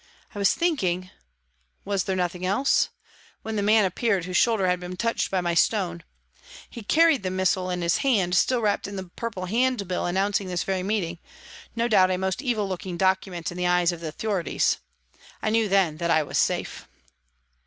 I was thinking, " Was there nothing else ?" when the man appeared whose shoulder had been touched by my stone ; he carried the missile in his hand, still wrapped in the purple hand bill announcing this very meeting, no doubt a most evil looking document in the eyes of the authorities. I knew then that I was safe.